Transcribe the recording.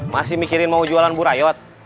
masih mikirin mau jualan bu rayot